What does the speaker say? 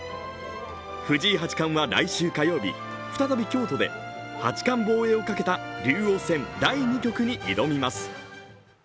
藤井八冠は来週火曜日、再び京都で八冠防衛をかけた竜王戦第２局に挑みます。